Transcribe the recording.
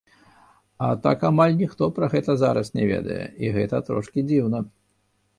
А так амаль ніхто пра гэта зараз не ведае, і гэта трошкі дзіўна.